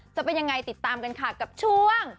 จะเป็นยังไงติดตามกันค่ะกับช่วง